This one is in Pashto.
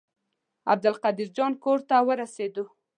عبدالقاهر جان کور ته ورسېدو.